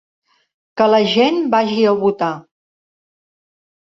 Que la gent vagi a votar.